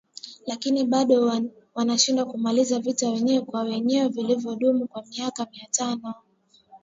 Lakini bado wanashindwa kumaliza vita vya wenyewe kwa wenyewe vilivyodumu kwa muda wa miaka mitano.